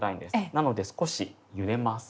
なので少しゆでます。